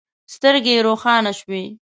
سترګې يې روښانه شوې.